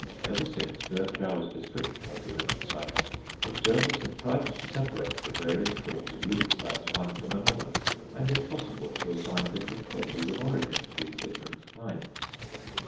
Ever since Virchow's description of the lymphocytes, observers have tried to separate the various forms of leucocytes one from another, and if possible to assign different places of origin to these different kinds.